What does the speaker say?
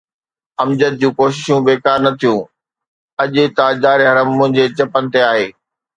امجد جون ڪوششون بيڪار نه ٿيون، اڄ ”تاجدار حرم“ منهنجي چپن تي آهي.